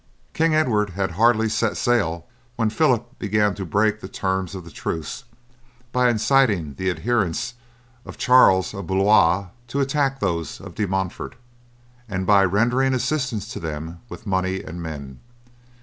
King Edward had hardly set sail when Phillip began to break the terms of truce by inciting the adherents of Charles of Blois to attack those of De Montford, and by rendering assistance to them with money and men.